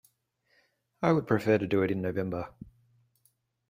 I would prefer to do it in November.